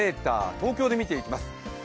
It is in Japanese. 東京で見ていきます。